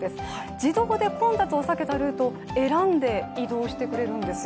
自動で混雑を避けたルートを選んで移動してくれるんですよ